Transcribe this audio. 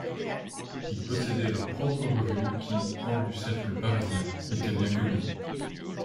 Ils possédaient leurs propres revues qui, hors du cercle parisien, étaient bien connues.